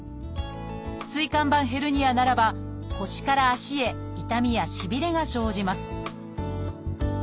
椎間板ヘルニアならば腰から足へ痛みやしびれが生じます